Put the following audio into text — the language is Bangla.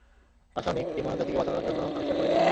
রাসায়নিক, এটি মানব জাতিকে বাঁচানোর জন্য আবিষ্কার করেছিল।